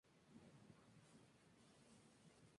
Se alimentan de semillas, frutas y nueces.